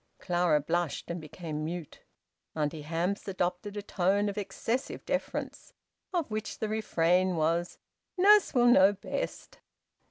Clara blushed and became mute. Auntie Hamps adopted a tone of excessive deference, of which the refrain was "Nurse will know best."